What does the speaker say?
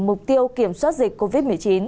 mục tiêu kiểm soát dịch covid một mươi chín